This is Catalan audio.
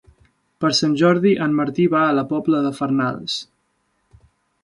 Per Sant Jordi en Martí va a la Pobla de Farnals.